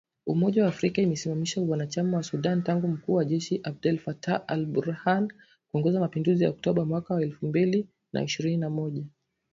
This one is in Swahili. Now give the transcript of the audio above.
Umoja wa Afrika imesimamisha uanachama wa Sudan tangu mkuu wa jeshi Abdel Fattah al-Burhan kuongoza mapinduzi ya Oktoba mwaka wa elfu mbili na ishirini na moja.